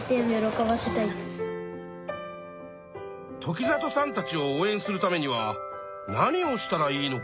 時里さんたちを応えんするためには何をしたらいいのかなあ？